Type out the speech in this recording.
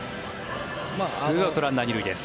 ２アウト、ランナー２塁です。